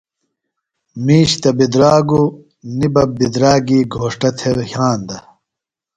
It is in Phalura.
مِیش تہ بِدراگوۡ نیۡ بہ بِدراگی گھوݜٹہ تھےۡ یھاندہ۔